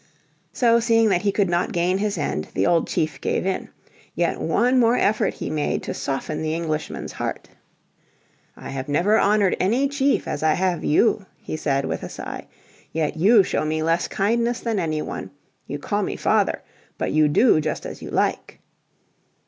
So seeing that he could not gain his end, the old chief gave in. Yet one more effort he made to soften the Englishman's heart. "I have never honoured any chief as I have you," he said, with a sigh, "yet you show me less kindness than any one. You call me father, but you do just as you like."